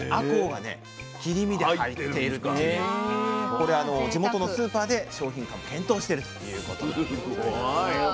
これ地元のスーパーで商品化を検討してるということなんでございます。